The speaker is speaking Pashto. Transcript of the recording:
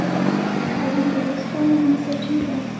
کرنه د روزګار مهمه سرچینه ده.